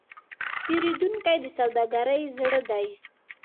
پیرودونکی د سوداګرۍ زړه دی.